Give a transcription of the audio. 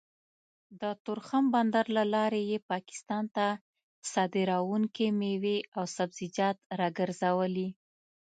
د تورخم بندر له لارې يې پاکستان ته صادرېدونکې مېوې او سبزيجات راګرځولي